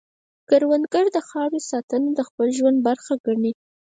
کروندګر د خاورې ساتنه د خپل ژوند برخه ګڼي